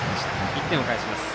１点を返します。